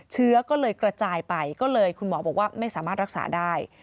เชื้อก็เลยกระจายไปก็เลยคุณหมอบอกว่าไม่สามารถรักษาได้